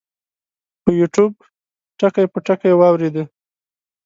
پۀ يو ټيوب ټکے پۀ ټکے واورېده -